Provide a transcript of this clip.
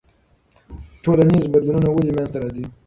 ټولنیز بدلونونه ولې منځ ته راځي؟